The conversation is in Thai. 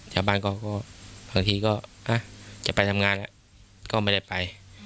ชาวบ้านก็บางทีก็จะไปทำงานก็ไม่ได้ไป